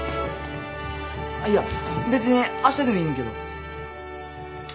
あっいや別にあしたでもいいねんけど。